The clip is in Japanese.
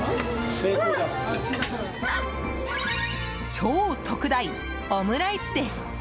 超特大オムライスです。